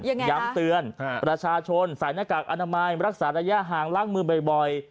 ย้ำเตือนประชาชนใส่หน้ากากอนามัยรักษาระยะห่างล้างมือบ่อย